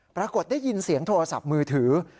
ปรากฏได้ยินเสียงโทรศัพท์มือถือ